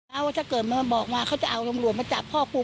แล้วถ้าเกิดมันมาบอกว่าเขาจะเอาโรงหลวงมาจับพ่อกู